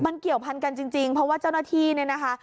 มันเกี่ยวพันกันจริงเพราะว่าเจ้าหน้าที่เนี่ยนะคะ